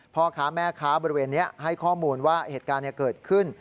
พ่อค้าแม่ค้าบริเวณนี้ให้ข้อมูลว่าเหตุการณ์เกิดขึ้น